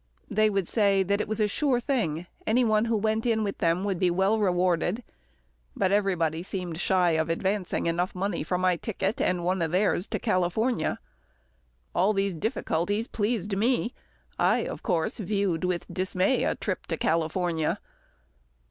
They would say that it was a sure thing, any one who went in with them would be well rewarded, but everybody seemed shy of advancing money enough for my ticket, and one of theirs, to California. All these difficulties pleased me. I, of course, viewed with dismay a trip to California.